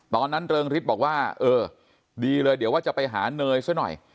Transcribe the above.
เริงฤทธิ์บอกว่าเออดีเลยเดี๋ยวว่าจะไปหาเนยซะหน่อย